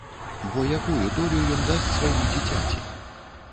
Бо якую долю ён дасць свайму дзіцяці?